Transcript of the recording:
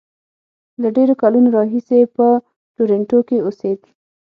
له ډېرو کلونو راهیسې په ټورنټو کې اوسېد.